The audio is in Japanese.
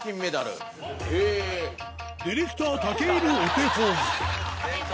ディレクター武井のお手本出た！